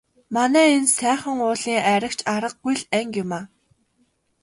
Манай энэ Сайхан уулын айраг ч аргагүй л анги юмаа.